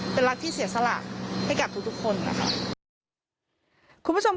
และที่เสียสลากให้กับทุกคน